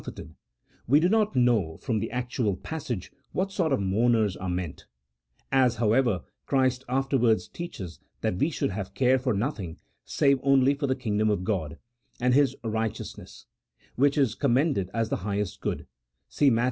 105 forted," we do not know, from the actual passage, what sort of mourners are meant ; as, however, Christ afterwards teaches that we should have care for nothing, save only for the kingdom of God and His righteousness, which is com mended as the highest good (see Matt.